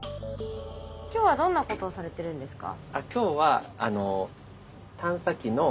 今日はどんなことをされてるんですか？